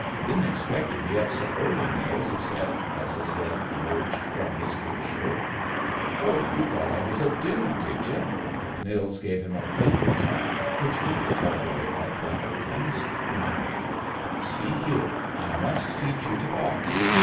"I didn't expect you'd be up so early, Nils," he said, as his head emerged from his blue shirt. "Oh, you thought I was a dude, did you?" Nils gave him a playful tap which bent the tall boy up like a clasp knife. "See here; I must teach you to box."